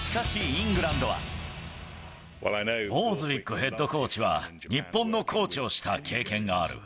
ボーズウィックヘッドコーチは、日本のコーチをした経験がある。